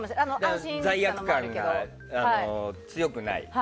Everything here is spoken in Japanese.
罪悪感が強くない。